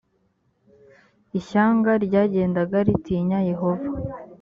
ishyanga ryagendaga ritinya yehova